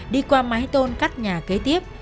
đi qua mái tôn cắt nhà kế tiếp